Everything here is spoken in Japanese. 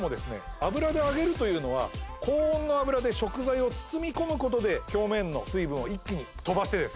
油で揚げるというのは高温の油で食材を包み込むことで表面の水分を一気に飛ばしてですね